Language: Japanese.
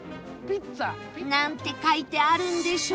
なんて書いてあるんでしょう？